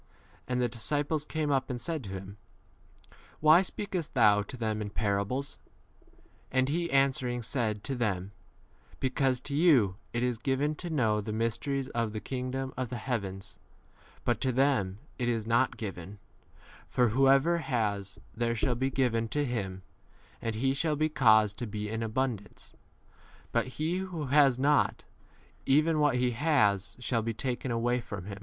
And the disciples came up and said to him, Why speakest thou to them in 11 parables ? And he answering said to them, Because to you it is given to know the mysteries of the kingdom of the heavens, but 12 to them it is not given ; for who ever has, there shall be given to him, and he shall be caused to be in abundance; 1 but he who has not, even what he has shall be 13 taken away from him.